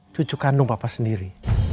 cucu kandung papa sendiri